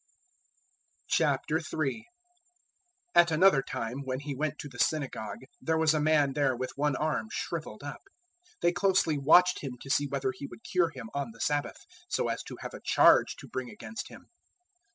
003:001 At another time, when He went to the synagogue, there was a man there with one arm shrivelled up. 003:002 They closely watched Him to see whether He would cure him on the Sabbath so as to have a charge to bring against Him.